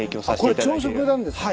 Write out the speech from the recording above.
あっこれ朝食なんですか？